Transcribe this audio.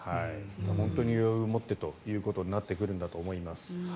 余裕を持ってということになるんだと思います。